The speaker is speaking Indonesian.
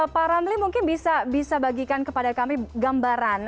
pak ramli mungkin bisa bagikan kepada kami gambaran